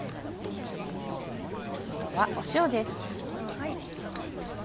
あとは塩です。